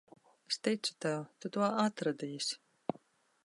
Es ticu tev. Tu to atradīsi.